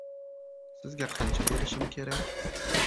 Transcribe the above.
– Sizga qancha berishim kerak?